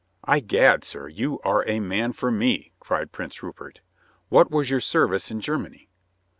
"I'gad, sir, you are a man for me," cried Prince Rupert. "What was your service in Germany?"